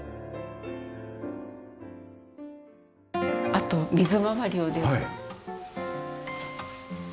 あと水回りをでは。